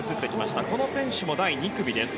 この選手も第２組です。